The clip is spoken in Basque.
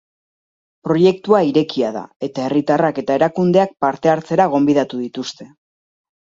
Proiektu irekia da, eta herritarrak eta erakundeak parte hartzera gonbidatu dituzte.